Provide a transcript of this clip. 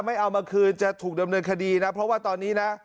เอามาคืนจะถูกดำเนินคดีนะเพราะว่าตอนนี้นะ